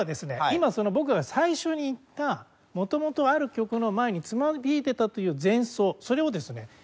今僕が最初に言った元々ある曲の前につま弾いていたという前奏それをですね